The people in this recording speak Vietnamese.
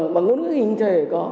bằng ngôn ngữ hình thể có